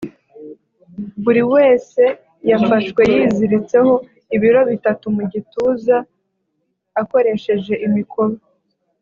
buri wese yafashwe yiziritseho ibiro bitatu mu gituza akoresheje imikoba